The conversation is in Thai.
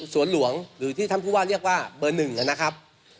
สวนหลวงหรือที่ท่านผู้ว่าเรียกว่าเบอร์๑นะครับ